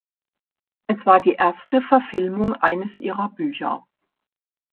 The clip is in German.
Es war die erste Verfilmung eines ihrer Bücher.